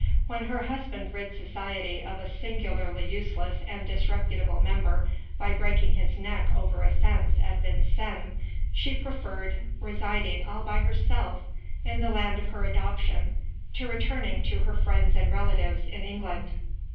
When her husband rid society of a singularly useless and disreputable member by breaking his neck over a fence at Yincennes, she preferred residing all by herself in the land of her adoption to returning to her friends and relatives in England.